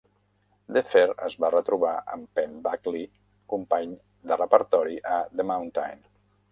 DeFer es va retrobar amb Penn Badgley, company de repertori a "The mountain".